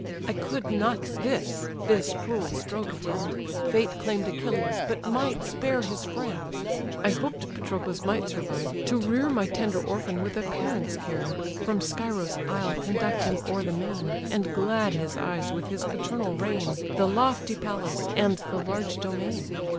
I could not this, this cruel stroke attend; Fate claim'd Achilles, but might spare his friend. I hoped Patroclus might survive, to rear My tender orphan with a parent's care, From Scyros' isle conduct him o'er the main, And glad his eyes with his paternal reign, The lofty palace, and the large domain.